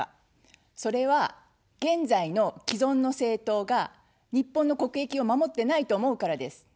それは、現在の既存の政党が日本の国益を守ってないと思うからです。